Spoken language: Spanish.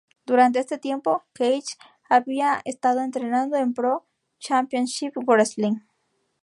Durante este tiempo, Cage había estado entrenando en Pro Championship Wrestling.